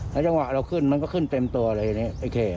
ในจังหวะขึ้นเข้าไปเต็มตัวแบบนี้